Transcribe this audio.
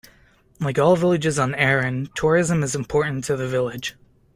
Like all villages on Arran, tourism is important to the village.